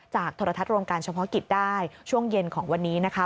โทรทัศน์รวมการเฉพาะกิจได้ช่วงเย็นของวันนี้นะคะ